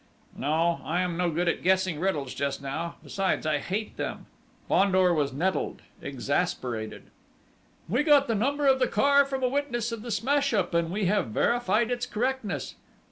"No, I am no good at guessing riddles just now ... besides, I hate them!" Fandor was nettled, exasperated! "We got the number of the car from a witness of the smash up; and we have verified its correctness.